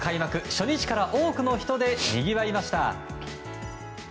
初日から多くの人でにぎわいました。